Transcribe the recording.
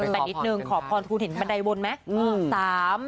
แต่นิดนึงขอพรทูลเห็นบันไดวนไหม